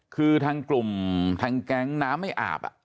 คือทางกลุ่มทางแก๊งน้ำไม่อาบ